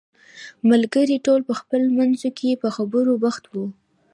ملګري ټول په خپلو منځو کې په خبرو بوخت وو.